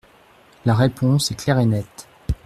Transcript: La réponse est claire et nette.